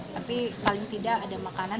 tapi paling tidak ada makanan